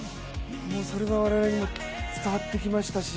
それが我々にも伝わってきましたし。